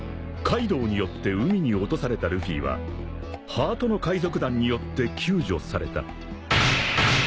［カイドウによって海に落とされたルフィはハートの海賊団によって救助された］